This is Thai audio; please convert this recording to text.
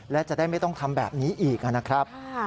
และจะได้ไม่ต้องทำแบบนี้อีกนะครับ